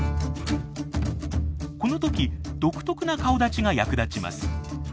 この時独特な顔だちが役立ちます。